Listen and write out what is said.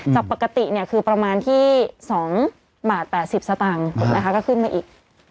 จากปกติคือประมาณที่๒บาท๘๐สตางค์นะคะก็ขึ้นมาอีก